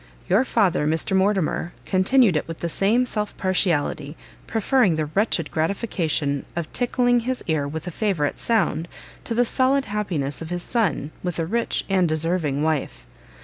Your father, Mr Mortimer, continued it with the same self partiality, preferring the wretched gratification of tickling his ear with a favourite sound, to the solid happiness of his son with a rich and deserving wife.